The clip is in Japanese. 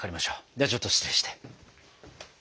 ではちょっと失礼して。